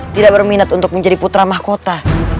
tidak berminat untuk menjadi putra mahkota